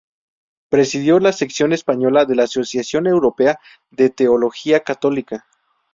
Presidió la sección española de la Asociación Europea de Teología Católica.